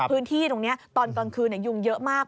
พื้นที่ตรงนี้ตอนกลางคืนยุงเยอะมาก